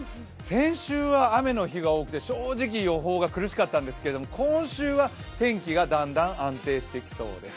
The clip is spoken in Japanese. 先週は雨の日が多くて、正直予報が苦しかったんですけども、今週はだんだん天気が安定してきそうです。